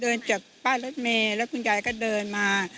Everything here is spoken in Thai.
เดินจากป้ายรถเมย์แล้วคุณยายก็เดินมา